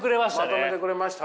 まとめてくれましたわ！